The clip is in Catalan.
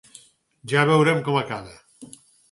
Ja veurem com acaba.